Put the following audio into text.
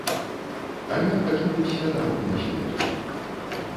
А я хачу быць святаром да смерці.